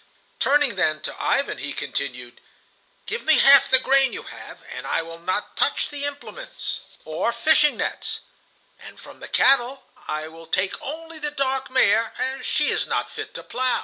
Turning then to Ivan he continued: "Give me half the grain you have, and I will not touch the implements or fishing nets; and from the cattle I will take only the dark mare, as she is not fit to plow."